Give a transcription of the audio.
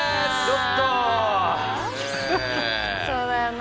そうだよな。